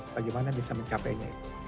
bagaimana bisa mencapainya itu